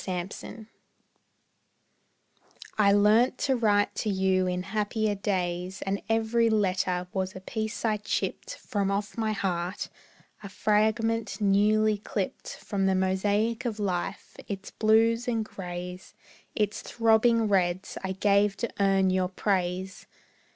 Aftermath I learnt to write to you in happier days, And every letter was a piece I chipped From off my heart, a fragment newly clipped From the mosaic of life; its blues and grays, Its throbbing reds, I gave to earn your praise.